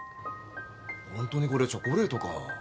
ホントにこれチョコレートか？